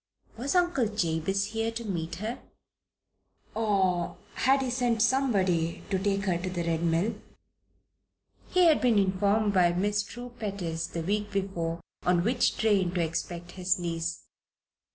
Was Uncle Jabez here to meet her? Or had he sent somebody to take her to the Red Mill? He had been informed by Miss True Pettis the week before on which train to expect his niece.